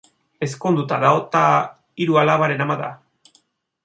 Ezkonduta dago eta hiru alabaren ama da.